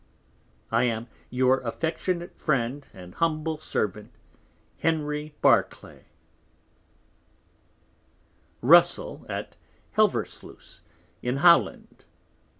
I am, Your affectionate Friend and humble Servant, Russell, at Helversluce in Holland, Dec.